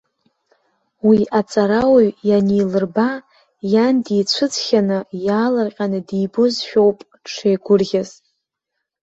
Уи аҵарауаҩ ианилырба, иан дицәыӡхьаны, иаалырҟьаны дибазшәоуп дшеигәырӷьаз.